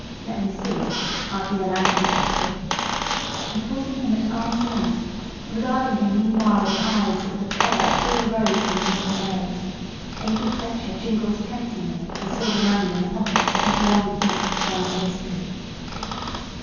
Let me see; art thee a lad to be trusted?" And holding him at arm's length, regarding him meanwhile with eyes that were the terror of all the rogues in Norton Bury, Abel Fletcher jingled temptingly the silver money in the pockets of his long flapped brown waistcoat.